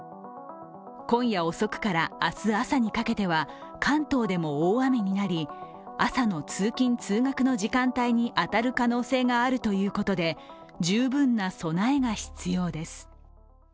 今夜遅くから明日朝にかけては関東でも大雨になり、朝の通勤通学の時間帯に当たる可能性があるということで十分な備えが必要です。